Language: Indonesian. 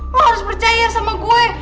kamu harus percaya sama gue